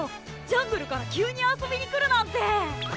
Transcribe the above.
ジャングルから急に遊びに来るなんて！